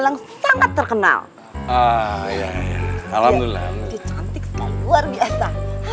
yang sangat terkenal ah ya alhamdulillah luar biasa